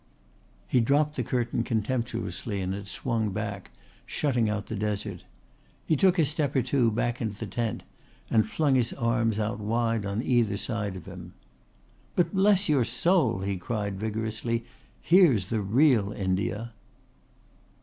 He dropped the curtain contemptuously and it swung back, shutting out the desert. He took a step or two back into the tent and flung out his arms wide on each side of him. "But bless your soul," he cried vigorously, "here's the real India."